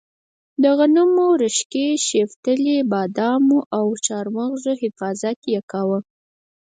د غنمو، رشقې، شپتلې، بادامو او چارمغزو حفاظت یې کاوه.